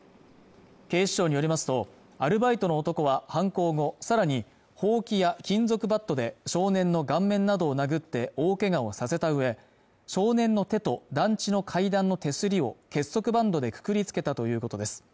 警視庁によりますとアルバイトの男は犯行後さらにほうきや金属バットで少年の顔面などを殴って大けがをさせたうえ少年の手と団地の階段の手すりを結束バンドでくくりつけたということです